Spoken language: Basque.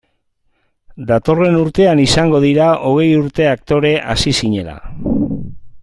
Datorren urtean izango dira hogei urte aktore hasi zinela.